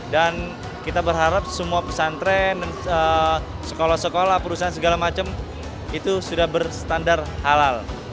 dan kita berharap semua pesantren sekolah sekolah perusahaan segala macam itu sudah berstandar halal